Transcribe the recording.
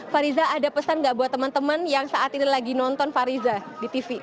fariza ada pesan gak buat teman teman yang saat ini lagi nonton fariza di tv